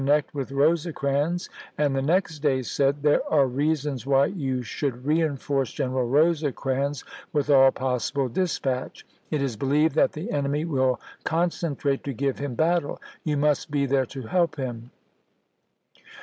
nect with Rosecrans," and the next day said :" There are reasons why you should reenforce Gen eral Rosecrans with aU possible dispatch. It is believed that the enemy will concentrate to give him Ibid., 638. battle. You must be there to help him."